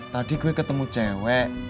tadi gue ketemu cewek